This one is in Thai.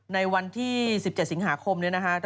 ในวันที่๑๗สิงหาคมนี้นะคะ